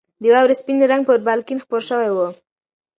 د واورې سپین رنګ پر بالکن خپور شوی و.